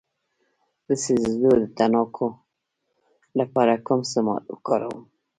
د سوځیدو د تڼاکو لپاره کوم ضماد وکاروم؟